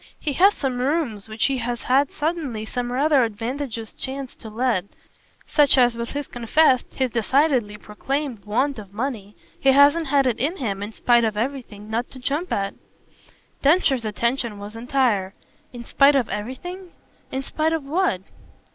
He has some rooms which he has had suddenly some rather advantageous chance to let such as, with his confessed, his decidedly proclaimed want of money, he hasn't had it in him, in spite of everything, not to jump at." Densher's attention was entire. "In spite of everything? In spite of what?"